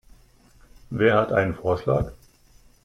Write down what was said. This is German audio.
Wer hat einen Vorschlag?